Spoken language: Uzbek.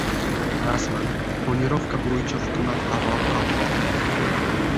Rasman: Tonirovka bo‘yicha Hukumat qarori qabul qilindi!